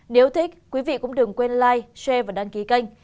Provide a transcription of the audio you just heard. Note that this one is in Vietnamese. nếu thích quý vị cũng đừng quên live share và đăng ký kênh